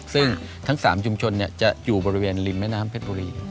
ซึ่งทั้ง๓ชุมชนจะอยู่บริเวณริมแม่น้ำเพชรบุรี